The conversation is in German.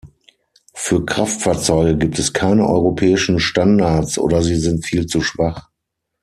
Für Kraftfahrzeuge gibt es keine Europäischen Standards oder sie sind viel zu schwach.